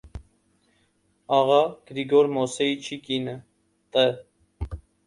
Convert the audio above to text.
- աղա Գրիգոր Մոսեիչի կինը՝ տ.